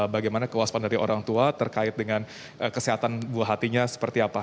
bagaimana kewaspaan dari orang tua terkait dengan kesehatan buah hatinya seperti apa